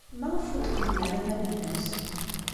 Maɣef ur d-tqeddem ara iman-nnes?